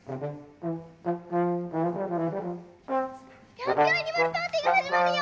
「ピョンピョンアニマルパーティー」がはじまるよ！